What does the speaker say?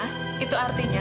mas itu artinya